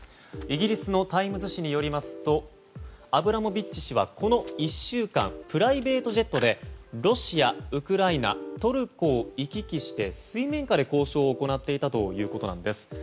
イギリスのタイムズ紙によりますとアブラモビッチ氏は、この１週間プライベートジェットでロシア、ウクライナトルコを行き来して水面下で交渉を行っていたということです。